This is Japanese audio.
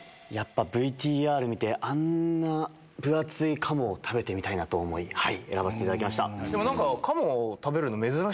ＶＴＲ見てあんな分厚い鴨を食べてみたいなと思い選ばせていただきました。